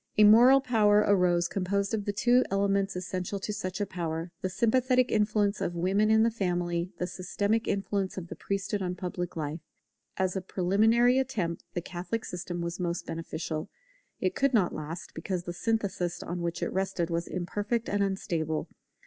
A moral power arose composed of the two elements essential to such a power, the sympathetic influence of women in the family, the systematic influence of the priesthood on public life. As a preliminary attempt the Catholic system was most beneficial; but it could not last, because the synthesis on which it rested was imperfect and unstable.